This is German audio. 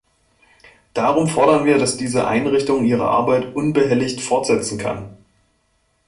Darum fordern wir, dass diese Einrichtung ihre Arbeit unbehelligt fortsetzen kann!